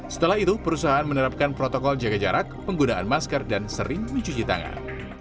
setelah itu perusahaan menerapkan protokol jaga jarak penggunaan masker dan sering mencuci tangan